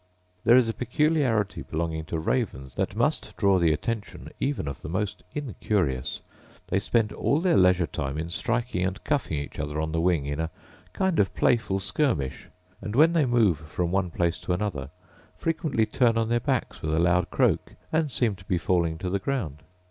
There is a peculiarity belonging to ravens that must draw the attention even of the most incurious — they spend all their leisure time in striking and cuffing each other on the wing in a kind of playful skirmish; and, when they move from one place to another, frequently turn on their backs with a loud croak, and seem to be falling to the ground.